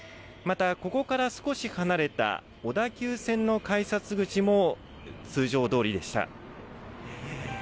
また、ここから少し離れた小田急線の改札口も通常どおりでした。